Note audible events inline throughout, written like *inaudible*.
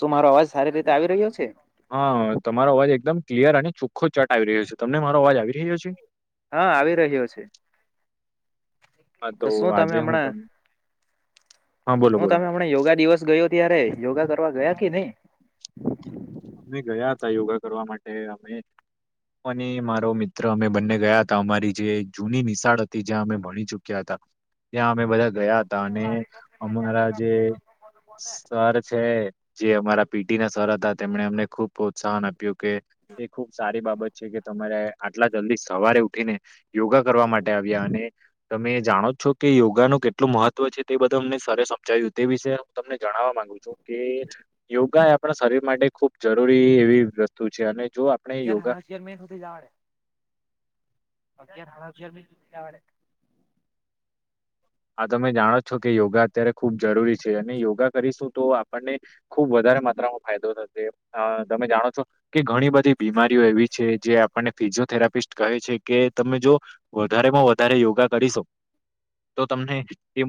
તો મારો અવાજ સારી રીતે આવી રહ્યો છે. હા તમારો અવાજ એકદમ ક્લિયર અને ચોખ્ખો ચટ આવી રહ્યો છે તમને મારો અવાજ આવી રહ્યો છે. હા આવી રહ્યો છે. હા, તો શું તમે આજે હું હમણાં તમને હા, બોલો, શું બોલો. તમે હમણા યોગા દિવસ ગયો ત્યારે યોગા કરવા ગયા કે નઈ. અમે ગયા તા યોગા કરવા માટે અમે. મને મારો મિત્ર અમે બંને ગયા હતા અમારી જે જૂની નિશાળ હતી જ્યાં અમે ભણી ચુક્યા હતા ત્યાં અમે બધા ગયા હતા અને અમારા જે સર છે જે અમારા પીટી ના સર હતા એમને અમને ખુબ પ્રોત્સાહન આપ્યું કે એ ખુબ સારી બાબત છે કે તમારે આટલા જલ્દી સવારે ઉઠીને યોગા કરવા માટે આવ્યા અને તમે જાણો છો કે યોગા નું કેટલું મહત્વ છે તે બધું અમને સરે સમજાવ્યું તે વિશે હું તમને જણાવવા માંગુ છું કે યોગા એ આપણા શરીર માટે ખુબ જરૂરી એવી વસ્તુ છે અને જો આપણે યાર, યોગા હાડા, અગિયારમા મા એક સુધી જાવા દે. *unintelligible* આ તમે જાણો છો કે યોગા અત્યારે ખુબ જરૂરી છે, અને યોગા કરીશું તો આપણને ખુબ વધારે ધારે માત્રમાં ફાયદો થશે. અ તમે જાણો છો કે ઘણી બધી બીમારીઓ એવી છે, જે આપણને ફિઝિયોથેરાપી પીસ્ટ કહે છે કે, તમે જો વધારેમાં વધારે યોગા કરીશો તો તમને એ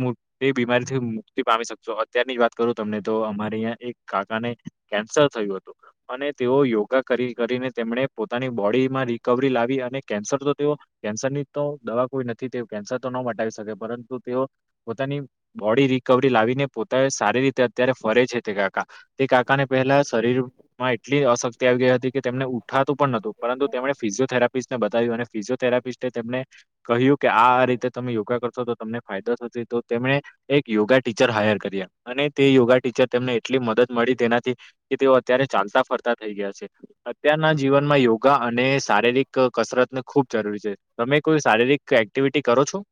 એ બીમારીથી મુક્તિ પામી શકશો. અત્યારની જ વાત કરું તમને, તો અમારે અહીં એક કાકાને કેન્સર થયું હતું, અને તેઓ યોગા કરી કરીને તેમણે પોતાની બોડીમાં રિકવરી લાવી. અને કેન્સર તો તેઓ કેન્સર ની તો દવા કોઈ નથી. તે કેન્સર તો ન મટાવી શકે. પરંતુ, તેઓ પોતાની બોડી રિકવરી લાવીને, પોતા એ સારી રીતે અત્યારે ફરે છે. તે કાકા તે કાકાને પહેલા શરીર માં એટલી અશક્તિ આવી ગઈ હતી કે તેમને ઉઠાતું પણ ન હતું, પરંતુ તેમણે ફિઝિયોથેરાપિસ્ટને બધી ધાયું, અને ફિઝિયોથેરાપિસ્ટ તેમને કહ્યું કે, આ રીતે તમે યોગા કરશો, તો તમને તમને ફાયદો થશે. તો તેમણે એક યોગા ટીચર હાયર કર્યા, અને તે યોગા ટીચર તેમને એટલી મસ્ત મદદ મળી, તેનાથી કે તેઓ અત્યારે ચાલતા-ફરતા થઈ ગયા છે. અત્યારના જીવનમાં યોગા અને શારીરિક કસરતને ખૂબ જરૂરી છે. તમે કોઈ શારીરિક એક્ટિવિટી કરો છો?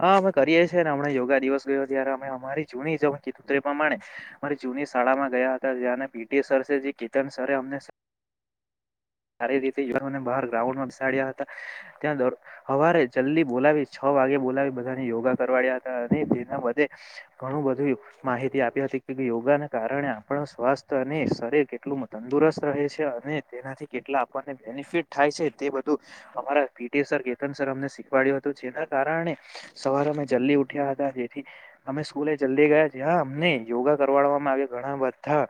હા, અમે કરીએ છીએ ને. હમણા યોગા દિવસ ગયો ત્યારે અમે અમારી જૂની જતરી પ્રમાણે ની શાળામાં ગયા હતા, જ્યાને પી. ટી. સર છે, જે કેતન સર અમને સારી રીતે યુવાને બહાર ગ્રાઉન્ડમાં બેસાડ્યા હતા. ત્યાં હવારે જલ્દી બોલાવી છ વાગે બોલાવી, બધાને યોગા કરવાડ્યા હતા, અને તેને ઘણું બધી માહિતી આપી હતી. યોગાને કારણે આપણ સ્વાસ્થ્ય અને શરીર કેટલું તંદુરસ્ત રહે છે, અને તેનાથી કેટલા આપણને બેનિફિટ થાય છે, તે બધું અમારા P. T. Sir, Ketan sir અમને શીખવાડ્યું હતું, જેના કારણે સવારે અમે જલ્દી ઉઠ્યા હતા, જેથી અમે સ્કૂલે જલ્દી ગયા જ. અમને યોગા કરવાડવામાં આવ્યા ઘણા બધા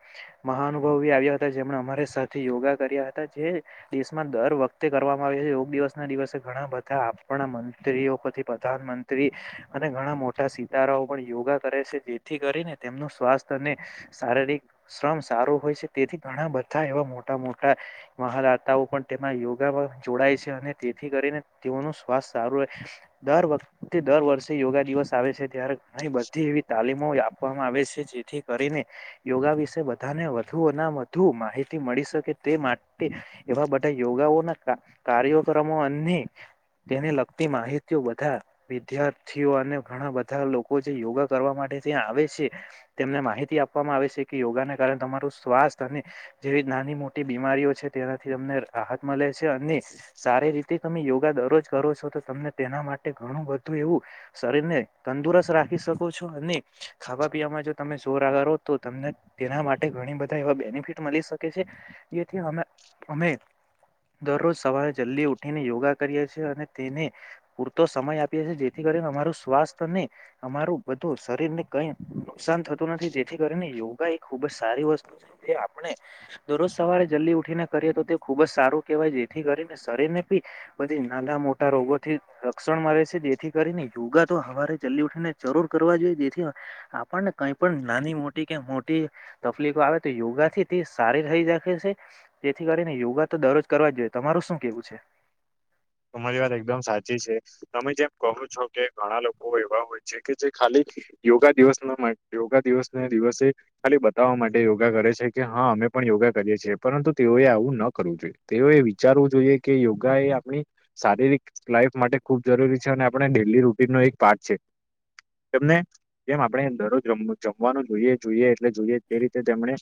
મહાનુભાવો આવ્યા હતા, જેમણે અમારી સાથે યોગા કર્યા હતા. જે દેશમાં દર વખતે કરવામાં આવે છે, યોગ દિવસ ના દિવસે ઘણા બધા આપણા મંત્રીઓ પ્રધાનમંત્રી અને ઘણા મોટા સીતારાઓ પણ યોગા કરે છે, જેથી કરીને તેમનું સ્વાસ્થ્ય અને શારીરિક શ્રમ સારો હોય છે, તેથી ઘણા બધા એવા મોટા-મોટા મહાદાતાઓ પણ તેમાં યોગામાં જોડાય છે, અને તેથી કરીને તેઓનું સ્વાસ્થ સારું રહે. દર વખતે દર વર્ષે યોગા દિવસ આવે છે, ત્યારે ઘણી બધી એવી તાલીમો આપવામાં આવે છે, જેથી કરીને યોગા વિશે બધાને વધુ વધુ માહિતી મળી શકે. તે માટે એવા બધા યોગાઓના કાર્યક્રમો અને તેને લગતી માહિતીઓ બધા વિદ્યાર્થીઓ અને ઘણા બધા લોકો જે યોગા કરવા માટે. માટે આવે છે તેમને માહિતી આપવામાં આવે છે કે, યોગાને કારણે તમારું સ્વાસ્થ અને જે નાની-મોટી બીમારીઓ છે, તેનાથી તમને રાહત મળે છે અને સારી રીતે તમે યોગા દરરોજ કરો છો, તો તને તેના માટે ઘણું બધું એવું શરીરને તંદુરસ્ત રાખી શકો છો. ખાવા-પીવા તમે જોર આકારો, તો તમને તેના માટે ઘણી બધા એ બેનિફિટ મળી. શીખે છે, એથી અમે. અમે દરરોજ સવારે જલ્દી ઉઠીને યોગા કરીએ છીએ. તે પૂરતો સમય આપીએ, જેથી કરીને અમારું સ્વાસ્થને અમારું બધું. શરીરને કંઈ નુકસાન થતું નથી, જેથી કરીને યોગા એ ખુબ જ સારી વસ્તુ છે. એ આપણે દરરોજ સવારે જલ્દી ઉઠીને. તો તે ખુબ જ સારું કહેવાય, જેથી કરીને શરીર ને બી બધી નાના-મોટા રોગોથી રક્ષક. છે, જેથી કરીને યોગા તો હરે જલ્લી ઉઠીને જરૂર કરવા જોઈએ, જેથી આપણને કઈ પણ. નાની મોટી કે મોટી તકલીફો આવે, તો યોગા થી તે સારી રહી રાખે છે. તેથી કરીને યોગા તો દરરોજ કરવા જ જોઈએ, તમારું શું કેવું છે. તમારી વાત એકદમ સાચી છે, તમે જેમ કહો છો કે ઘણા લોકો એવા હોય છે કે ખાલી. યોગા દિવસ, યોગા દિવસ દિવસે ખાલી બતાવવા માટે યોગા કરે છે, કે હા અમે. પણ યોગા કરીએ, પરંતુ તેઓ એ આવું ન કરવું જોઈએ. તેઓએ વિચારવું જોઈએ કે યોગા એ આપણી. શારીરિક લાઈફ માટે ખૂબ જરૂરી છે, અને આપણે ડેલી રૂટીન નો એક પાર્ટ છે. તેમને જેમ આપણે દરરોજમ જમવાનું જોઈએ જોઈએ એટલે જોઈએ તે રીતે તેમણે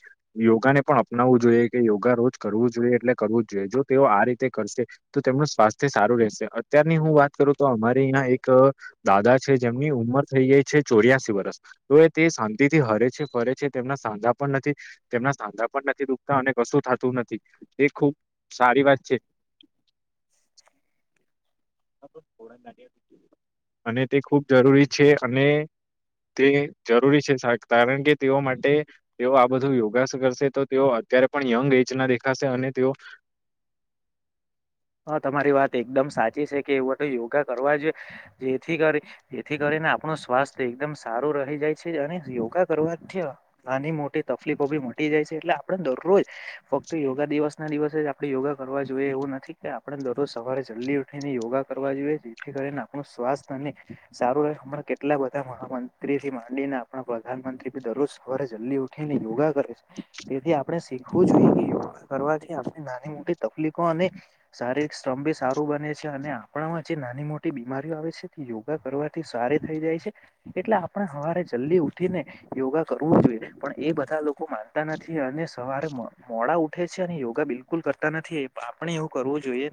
યોગા ને પણ અપનાવવું જોઈએ કે યોગા રોજ કરવું જોઈએ એટલે કરવું જ જોઈએ જો તેઓ આ રીતે કરશે તો તેમનું સ્વાસ્થ્ય તે સારું રહેશે અત્યારની હું વાત કરું તો અમારી અહં એક દાદા છે જેમની ઉંમર થઈ જાય છે ચોર્યાસી વર્ષ તો તે શાંતિથી હરે છે ફરે છે તેમના સાંધા પણ નથી તેમના સાંધા પણ નથી દુખતા અને કશું થતું નથી એ ખુબ સારી વાત છે *unintelligible* અને તે ખુબ જરૂરી છે અને તે જરૂરી છે કારણ કે તેઓ માટે તેઓ આ બધું યોગાસ કરશે તો તેઓ અત્યારે પણ યંગ એજ ના દેખાશે અને તેઓ *unintelligible* હા તમારી વાત એકદમ સાચી છે કે એવું તો યોગા કરવા જ જેથી કરી જેથી કરી આપણું સ્વાસ્થ્ય એકદમ સારું રહી જાય છે અને યોગા કરવાથી નાની મોટી તકલીફોી મ જાય છે એટલે આપ દરરોજ ફક્ત યોગા દિવસ ના દિવસે જ આપણે યોગા કરવા જોઈએ એવું નથી કે આપણે દરરોજ સવારે જલ્દી ઉઠીને યોગા કરવા જોઈએ જેથી કરીને આપણું સ્વાસ્થ્ય અને સારું રહે હમણા કેટલા બધા મહામંત્રીથી માંડીને આપણા પ્રધાનમંત્રી બી દરરોજ સવારે જલ્દી ઉઠીને યોગા તેથી આપણે શીખવું જોઈએ કરવાથી આપ નાની મોટી તકલીફો અને શારીરિક સ્ત્રભ બી સારું બને છે અને આપણામાં જે નાની મોટી બીમારીઓ આવે છે યોગા કરવાથી સારી લેટ થઈ જાય છે એટલે આપણે સરે જલ્દી ઉઠીને યોગા કરવું જોઈએ પણ એ બધા લોકો માનતા નથી અને સવારે મોડા ઉઠે છે અને યોગા બિલકુલ કરતા નથી એ આપણે એ કરવુ જોઈએ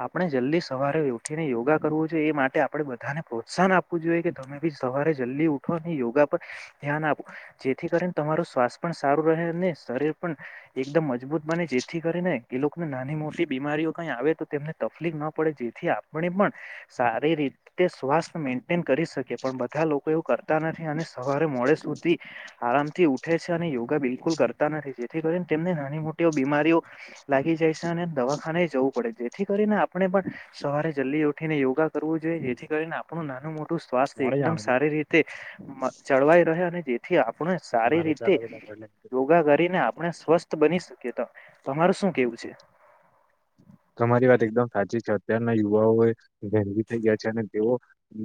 આપણે જલ્દી સવારે ઉઠીને યોગા કરવું જોઈએ એ માટે આપણેે બધાને પ્રોત્સાહન આપ ઊઠવું જોઈ તમે બી સવારે જલ્દી ઉઠો યોગા પર ધ્યાન આપો જેથી કરીને તમારો સ્વાસ્થ સારું રહે શરીર પણ એકમ મજબૂત બને જેથી કરી ને એ લોકોને નાની મોટી બીમારીઓ કઈ આવે તો તેમને તકલીફ ના પડે જેથી આપણે પણ સારી રીતે સ્વાસ્થ મેન્ટેન કરી શકે પણ બધા લોકો એવું કરતા નથી અને સવારે મોડે સુધી આરામથી ઉઠે છે યોગા બિલકુલ કરતા નથી જેથી કરીને તેમને નાની મોટી બીમારીઓ લાગી જાય છે અને દવા જવું પડે જેથી કરીને આપણે પણ સવારે જલ્દી ઉઠીને યોગા કરવું જોઈએ જેથી કરીને આપણું નાનું મોટુ હું સ્વાસ્થ મોડે જ એકદમ આમ સારી રીતે ચળવાઈ રહે અને જેથી આપ પણ સારી મારે ચાર રીતે વાગે યોગા કરીને આપણે સ્વસ્થ બની શકીએ તો તમારું શું કેવું છે તમારી વાત એકદમ સાચી છે અત્યારના યુવાઓ ગરગી થઈ ગયા છે અને તેઓ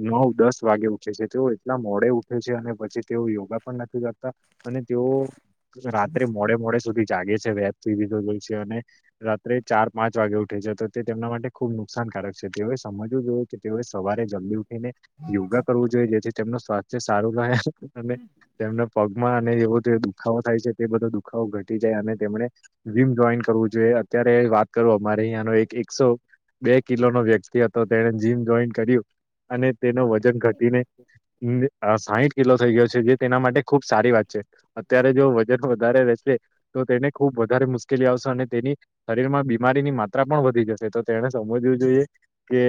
નવ દસ વાગે ઉઠે છે તેઓ એટલા મોડે ઉઠે છે અને પછી તેઓ યોગા પણ નથી કરતા અને તેઓ બોવ રાત્રે મોડે મોડે સુધી જાગે છે વેપ સુઈ દીધોય છે અને રાત્રે ચાર પાંચ વાગે ઉઠે છે તો તે તેમના માટે ખુબ નુકસાનકારક છે તેઓએ સમજવું જોય કે તેઓએ સવારે જલ્દી ઉઠીને યોગા કરવું જોઈએ જે છે તેમનું સ્વાસ્થ્ય સારું રહે અને તેમના પગમાં અને એવ દુખાવો થાય છે તે બધો દુખાવો ઘટી જાય અને તેમને વિમ જોઈન કરવું જોઈએ અત્યારે વાત કરો અમારે અહંનો એક એકસો બે કિલો નો વ્યક્તિ હતો તેણે જીમ જોઈન કર્યું અને તેનો વજન ઘટીને સાહીટ કિલો થઈ ગયો છે જે તેના માટે ખુબ સારી વાત છે અત્યારે જો વજન વધારે રહેશે તો તેને ખૂબ વધારે મુશ્કેલી આવશે અને તેની શરીરમાં બી બીમારી ની માત્રા પણ વધી જશે તો તેને સમજવું જોઈએ કે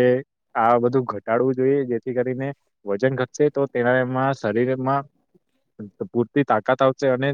આ બધું ઘટાડવું જોઈએ જેથી કરીને વજન ઘટશે તો તેના એમાં શરીરમાં પૂરતી તાકાત આવશે અને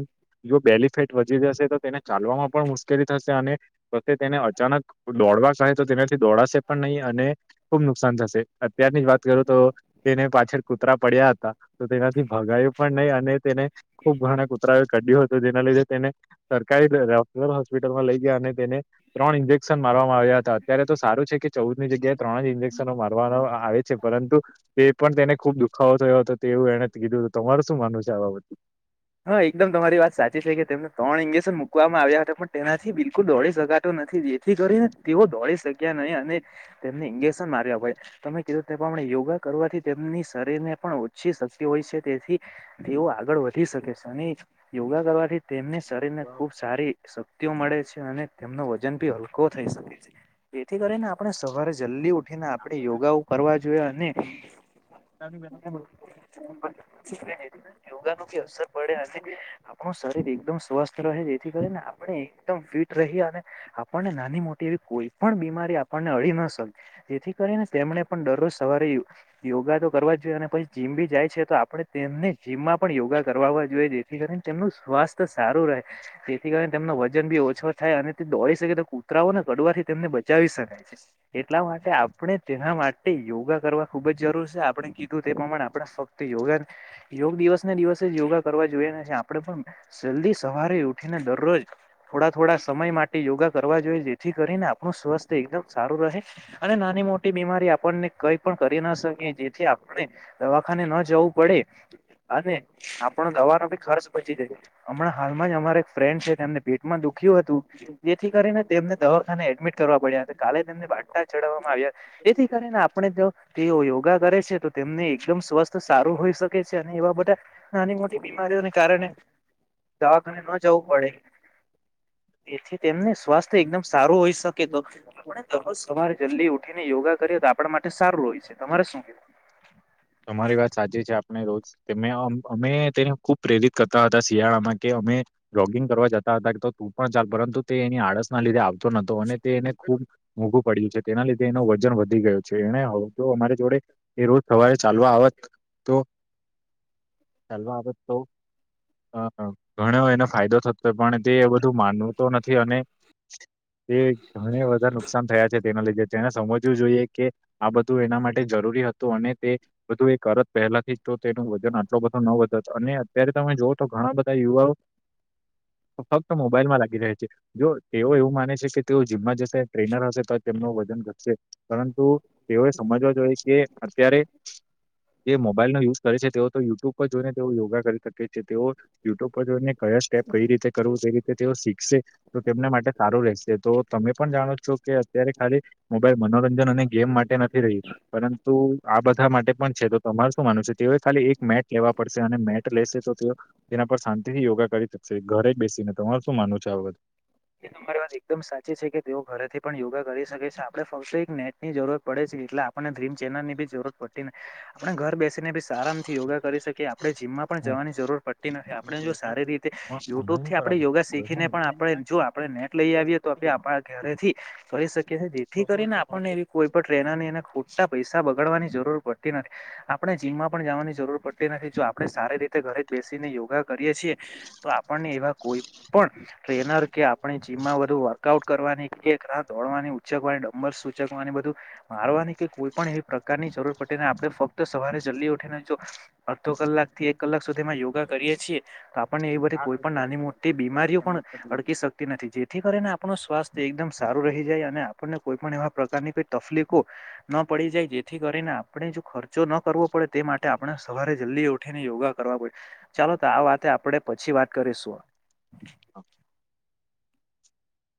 જો બેનિફેટ જશે તો તેને ચાલવામાં પણ મુશ્કેલી થશે અને પો તેને અચાનક દોડવા કહે તો તેને દોડાશે પણ નહીં અને ખુબ નુકસાન થશે અત્યારની જ વાત કરો તો તેને પાછળ કૂતરા પડ ત્યાં હતા તો તેનાથી ભગાયું પણ નહી અને તેને ખુબ ઘણા કુતરાય કઢ્યું હતું જેના લીધે તેને સરકારીલ હોસ્પિટલમાં લઈ ગયા અને તેને ત્રણ ઇન્જેક્શન મારવામાં આવ્યા ત્રણ ઇન્જેક્શન મારવામાં આવ્યા હતા અત્યારે તો સારું છે કે ચૌદ ની જગ્યાએ ત્રણ જ ઇન્જેક્શનો મરવાના આવેછે પરંતુ તે પણ તેને ખુબ દુખાવો થયો હતો તે એવું એને કીધું હતું તમારું શું માનવું છે આવા બાબતે હા એકદમ તમારી વાત સાચી છે કે તેમને ત્રણ ઇન્જેક્શન મૂકવામાં આવ્યા હતા પણ તેના બિલકુલ દોડી શકાતો નથી જેથી કરીને તેઓ દોડી શક્યા નહી અને તેમને ઇન્જેક્શન માર્યા ભાઈ તમે કીધું તે પ્રમાણે યોગા કરવાથી તેમની શરીર ને પણ ઓછી શક્તિ હોય છે તેથી તેઓ આગળ વધી શકે છે અને યોગા કરવાથી તેમની શરીર ને ખુબ સારી શક્તિઓ મળે છે અને તેમનો વજન ભી હલકો થઈ શકે છે તેથી કરીને આપણે સવારે જલ્દી ઉ ને આપડે યોગા કરવા જોઈએ અને *unintelligible* *unintelligible* યોગા ન બી અસર પડે અને આપણું શરીર એકદમ સ્વસ્થ રહે જેથી કરીને આપડે ફીટ રહી અને આપણને નાની મોટી એવી કોઈ પણ બીમારી આપણને અડે તેથી કરીને તેમને પણ દરરોજ સવારે યોગા તો કરવા અને પછી જીમ બી જાય છે તો આપણે તેમને જીમમાં પણ યોગા કરવા જોઈએ જેથી કરી તેમનું સ્વાસ્થ્ય સારું રહે તેથી કારણે તેમનો વજન બી ઓછો થાય અને તે દોડી શકે કૂતરાઓ ને કડવાથી તેમને બચી બચાવી શકાય છે એટલા માટે આપણે તેના માટે યોગા કરવા ખુબ જ જરૂર છે આપણે તે પ્રમાણે આપણે ફક્ત યોગા યોગ દિવસ ને દિવસે યોગા કરવા જોઈએ આપણેે પણ જલ્દી સવારે ઉઠીને દરરોજ થોડા થોડા સમય માટે યોગા કરવા જોઈએ જેથી કરીને આપણું સ્વસ્થ એકદમ સારું અને નાની મોટી બીમારી આપને કઈ પણ કરી ના શકીએ જેથી દવાખાને ન જવું પડે અને આપણો દવાનો ભી ખર્ચ બચી જ હમણાં હાલમાં જ અમારે એક ફ્રેન્ડ છે તેમને ભેટમાં દુખ્યું હતું જેથી કરીને તેમને દવારખાને એડમિટ કરવા પડ્યા હતા કાલે તેમનેટા ચ તેથી કરીને આપણે જો તેઓ યોગા કરે છે તો તેમને એકદમ સ્વસ્થ સારું હોઈ શકે અને એવા બધા નાની મોટી બીમારીઓને કારણે દવાખને ન જવું પડે એથી તેમને સ્વાસ્થ્ય એકદમ સારું હોઈ શકે તો આપણે દરરોજ સવાર જલ્દી ઉઠીને યોગા કરીએ આપણા માટે સારું હોય છે તમારે શું કેું તમારી વાત સાચી છે આપણે રોજ અમે તેને ખુબ પ્રેરિત કરતા હતા શિયાળામાં કે તમે જોગિંગ કરવા જતા હતા તું પણ ચાલ પરંતુ તે એની આળસ ના લીધે આવ નતો અને તે એને ખૂબ મોંઘું પડ્યું છે તેના લીધે એનો વજન વધી ગયો છે એને જો અમારી જોડે એ રોજ થવાય ચાલવા આવત તો ચાલ તો ઘણો એનો ફાયદો થતો હોય પણ તે બધ માનવું તો નથી અને તે ઘ બધા નુકસાન થયા છે તેના લીધે તેને સમજવું જોઈએ કે આ બધું એના માટે જરૂરી હતું અને તે બધું એક અત પહેલાથી જ તો તે એનું વજન નાચો બધો ન વધ જ અને અત્યારે તમે જોુઓ તો ઘણા બધા યુવાઓ ફક્ત મોબાઈલ માં લાગી રહ્યા છે જો તેઓ એવું માને છે કે તેઓ જીમમાં જશે ટ્રેનર હશે તો તેમનું વજન પરંતુ તેઓએ સમજવા જોઈ કે અત્યારે હ જે મોબાઈલ નો યુઝ કરે છે તેઓ તો યુટ્યુબ પર જોઈને તેઓ યોગા કરી શકે છે તેઓ યુટ્યુબ પર જોઈને કયા સ્ટેપ કઈ રીતે કરવું તે રીતે તેઓ શીખશે તો તેમના માટે સારું રહેશે તો તમે પણ જાણો છો કે અત્યારે મોબાઈલ મનોરંજન અને ગેમ માટે નથી રહ્યું પરંતુ આ બધા માટે પણ છે તો તમાર શું માન છે તેઓ ખાલી એક મેટ લેવા પડશે અને મેટ લેશે તો તેઓ તેના પર શાંતિ થી યોગ ા કરી શકશે ઘરે બેસીને તમાર શું માનુંવ છે આ વ એ તમારી વાત એકદમ સાચી છે કે તેઓ ઘરેથી પણ યોગા કરી શકે છે આપણે ફ એક નેટ ની જરૂરત પડે છે એટલે આપણને ડ્રીમ ચેનલ ની બી જરૂરત પડતી આપણે ઘર બેસીને બી આરામ થી યોગા કરી શકીએ આપણે જીમમાં પણ જવાની જરૂર પડતી નથી આપણે જો સારી રીતે યુટ્યુબથી આપણે બાબત યોગા શીખીને પણ આપણે જો આપણે નેટ લઈ આવીએ તો આપે આપણા ઘરેથી થઈ શકીએ છીએ જેથી કરીને આપણને એવી કોઈ પણ ટ્રેન એ ખોટા પૈસા બગડવાનીર પડતી નથી આપણે જીમમાં પણ જવાની જરૂર પડતી નથી જો આપણે સારી રીતે ઘરે જ બેસીને યોગા કરી તો આપણને એવા કોઈ પણ ટ્રેનર કે આપણી ચીમમાં વધુ વર્કઆઉટ કરવાની ોડની ઉચકની ડબ સૂચકની બધું મારવાની કે કોઈ પણ એવી પ્રકારની જરૂર પડને ફક્ત સવારે જલ્દિ ઉઠી અડધો કલાક થી એક કલાક સુધી યોગા કરીે છીએ તો આપણને એ બધી કોઈ પણ નાની મોટી બીમારીઓ પણ અડકી નથી જેથી કરીને આપણું સ્વાસ્થ્ય એકદમ સારું રહી જાય અને આપણને કોઈ પણણ એવા પ્રકારની કોઈ તકલીકોો ન પડી જાય જેથી કરીને આપણે જો ખર્ચો ન કરવો પડે તે માટે આપણે સવારે જલ્દી ઉઠીને ગા કરવા ચાલો તો આ વાતે આપડે પછી વાત કરીશું ઓ